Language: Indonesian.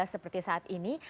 seperti saat ini